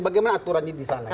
bagaimana aturannya di sana